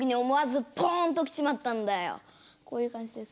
こういう感じです。